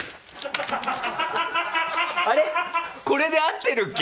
あれ、これで合ってるっけ？